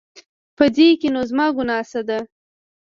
په دې کې نو زما ګناه څه ده؟